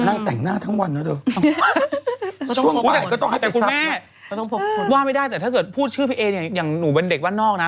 นางแต่งต้องหน้าทั้งวันนะ